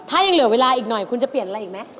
ถ้ายังเหลือเวลาอีกหน่อยคุณจะเปลี่ยนอะไรอีกไหม